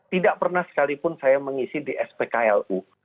tidak pernah sekalipun saya mengisi di spklu